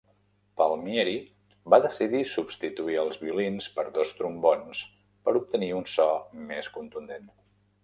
Palmieri va decidir substituir els violins per dos trombons per obtenir un so més contundent.